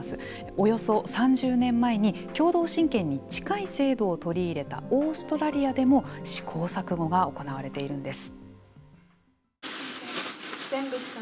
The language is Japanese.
およそ３０年前に共同親権に近い制度を取り入れたオーストラリアでも試行錯誤が行われているんです。